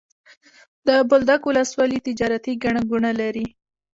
د بولدک ولسوالي تجارتي ګڼه ګوڼه لري.